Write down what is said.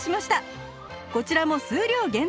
こちらも数量限定です